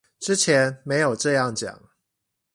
之前沒有這樣講